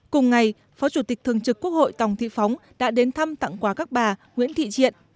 cùng ngày phó chủ tịch thường trực quốc hội tòng thị phóng đã đến thăm tặng quà các bà nguyễn thị triện